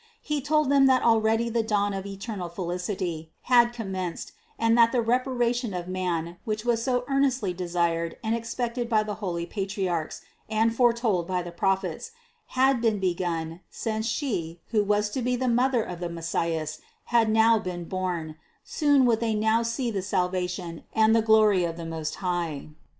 He told them that already the dawn of eternal felicity had commenced and that the reparation of man, which was so earnestly desired and expected by the holy Patriarchs and foretold by the Prophets, had been begun, since She, who was to be the Mother of the Messias, had now been born; soon would they now see the salvation and the glory of the Most High.